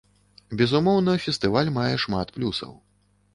Безумоўна, фестываль мае шмат плюсаў.